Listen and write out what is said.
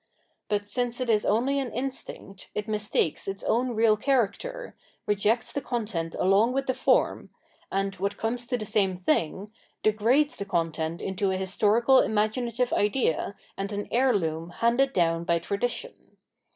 * But since it is only an instinct, it mistakes its own real character, rejects the content along with the form, and, what comes to the same thing, degrades the content into a historical imaginative idea and an heirloom handed down by tradition.